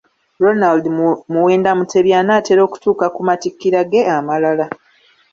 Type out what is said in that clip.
Ronald Muwenda mutebi anaatera okutuuka ku mattikira ge amalala.